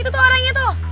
itu tuh orangnya tuh